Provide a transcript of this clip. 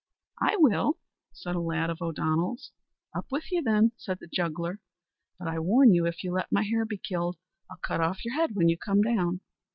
"I will," said a lad of O'Donnell's. "Up with you, then," said the juggler; "but I warn you if you let my hare be killed I'll cut off your head when you come down."